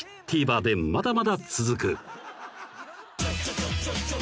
ＴＶｅｒでまだまだ続く］